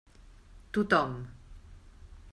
Tothom.